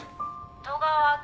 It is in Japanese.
戸川君。